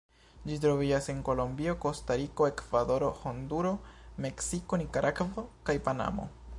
Ĝi troviĝas en Kolombio, Kostariko, Ekvadoro, Honduro, Meksiko, Nikaragvo kaj Panamo.